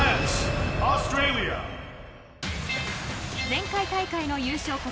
前回大会の優勝国